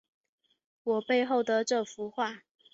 我背后的这幅画